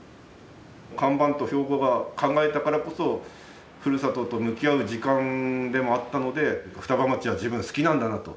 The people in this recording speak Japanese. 看板と標語が考えたからこそふるさとと向き合う時間でもあったので双葉町は自分好きなんだなと。